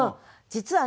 実はね